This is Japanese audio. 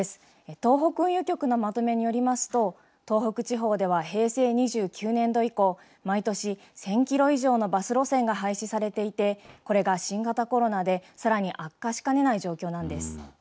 東北運輸局のまとめによりますと、東北地方では平成２９年度以降、毎年１０００キロ以上のバス路線が廃止されていて、これが新型コロナでさらに悪化しかねない状況なんです。